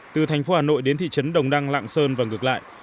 từ thành phố hà nội đến thị trấn đồng đăng lạng sơn và ngược lại